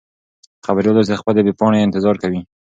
خبریال اوس د خپلې بې پاڼې انتظار کوي.